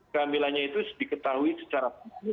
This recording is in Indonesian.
kehamilannya itu diketahui secara pasti